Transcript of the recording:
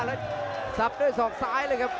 แล้วสับด้วยศอกซ้ายเลยครับ